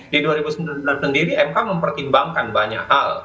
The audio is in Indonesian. di dua ribu sembilan belas sendiri mk mempertimbangkan banyak hal